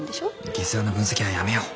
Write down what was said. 下世話な分析はやめよう。